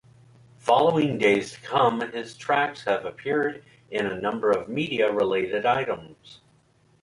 Following "Days to Come" his tracks have appeared in a number of media-related items.